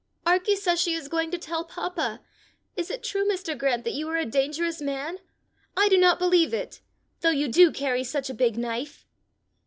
"Arkie says she is going to tell papa. Is it true, Mr. Grant, that you are a dangerous man? I do not believe it though you do carry such a big knife."